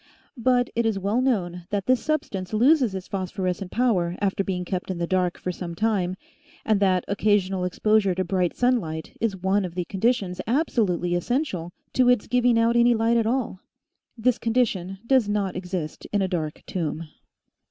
But it is well known that this substance loses its phosphorescent power after being kept in the dark for some time, and that occa sional exposure to bright sun light is one of the conditions absolutely essential to its giving out any light at all. This condition does not exist in a dark tomb.